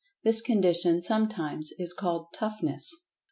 This condition sometimes is called "Toughness."